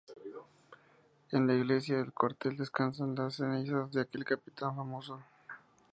En la iglesia del cuartel descansan las cenizas de aquel capitán famoso.